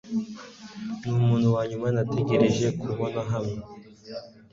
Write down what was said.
numuntu wanyuma nategereje kubona hano